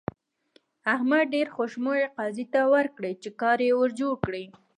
احمد ډېرې خوشمړې قاضي ته ورکړې چې کار يې ور جوړ کړي.